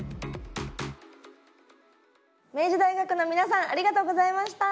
明治大学の皆さんありがとうございました！